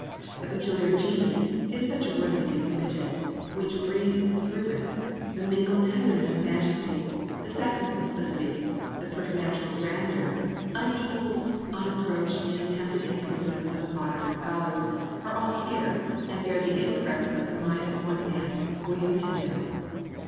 The peculiar genius if such a word may be permitted which breathes through it the mingled tenderness and majesty the Saxon sim plicity the preternatural grandeur unequalled, un approached in the attempted improvements of modern in] TYNDALE S FEINTED TRANSLATION 51 scholars all are here, and bear the impress of the mind of one man William Tyndale.